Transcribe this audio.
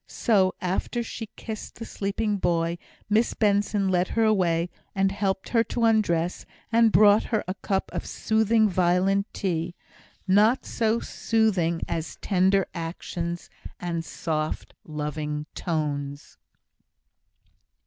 So, after she had kissed the sleeping boy, Miss Benson led her away, and helped to undress her, and brought her up a cup of soothing violet tea not so soothing as tender actions and soft loving tones.